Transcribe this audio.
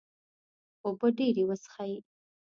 اوبه ډیرې وڅښئ